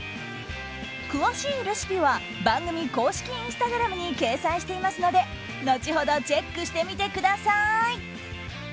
詳しいレシピは番組公式インスタグラムに掲載していますので後ほどチェックしてみてください。